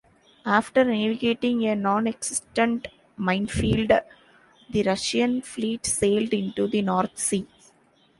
After navigating a non-existent minefield, the Russian fleet sailed into the North Sea.